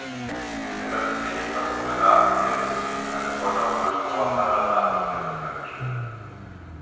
Der Öffentliche Personennahverkehr wird durch den "Heilbronner Hohenloher Haller Nahverkehr" sichergestellt.